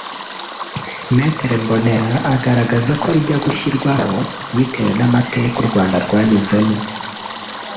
Me Mbonera agaragaza ko rijya gushyirwaho bitewe n’amateka u Rwanda rwanyuzemo